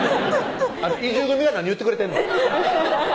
移住組が何言ってくれてんの？